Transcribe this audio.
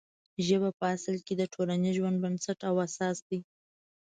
ژبه په اصل کې د ټولنیز ژوند بنسټ او اساس دی.